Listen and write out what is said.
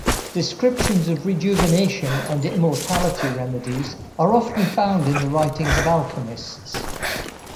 Descriptions of rejuvenation and immortality remedies are often found in the writings of alchemists.